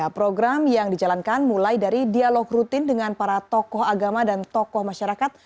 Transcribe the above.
program yang dijalankan mulai dari dialog rutin dengan para tokoh agama dan tokoh masyarakat